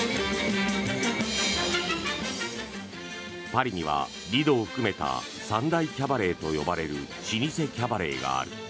パリにはリドを含めた３大キャバレーと呼ばれる老舗キャバレーがある。